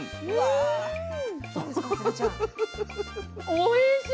おいしい。